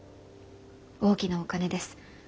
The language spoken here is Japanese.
大きなお金です。